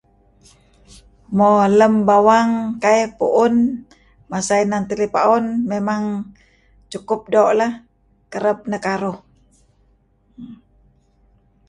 Mo lem bawang kaih puun masa inan talipaun memang cukup do' leh kereb nekaruh